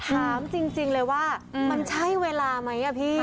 ถามจริงจริงเลยว่าอืมมันใช่เวลาไหมนะ